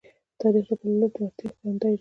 تاریخ د خپل ولس د وړتیاو ښکارندوی دی.